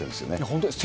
本当ですね。